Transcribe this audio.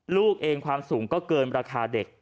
ลูกเองความสูงก็เกินราคาเด็ก